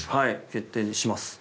決定にします。